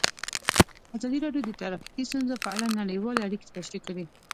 ازادي راډیو د ټرافیکي ستونزې په اړه نړیوالې اړیکې تشریح کړي.